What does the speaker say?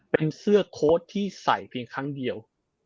เป็นเสื้อโค้ดที่ใส่เพียงครั้งเดียว